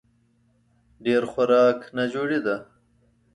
ډېر خوراک ناجوړي ده